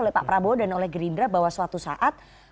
oleh pak prabowo dan oleh gerindra bahwa suatu saat